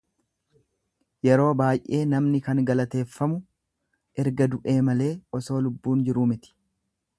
Yeeroo baay'ee namni kan galateeffamu erga du'ee malee osoo lubbuun jiruu miti.